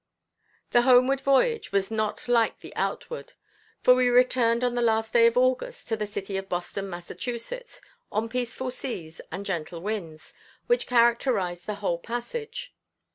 The homeward voyage was not like the outward for we returned on the last day of August to the city of Boston, Mass., on peaceful seas and gentle winds, which characterized the whole passage.